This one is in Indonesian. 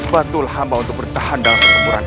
bantulah hamba untuk bertahan dalam penyelamatan